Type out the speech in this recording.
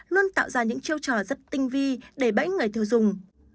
luôn tạo ra những chiêu trò rất tinh vi để bẫy người tiêu dùng